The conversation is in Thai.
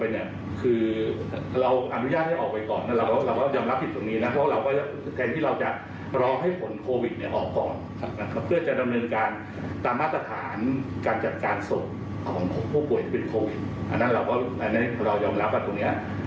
อันนั้นเรายอมรับตรงนี้